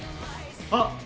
あっ！